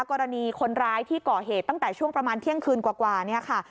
กรณีคนร้ายที่ก่อเหตุตั้งแต่ช่วงประมาณเที่ยงคืนกว่าเนี่ยค่ะ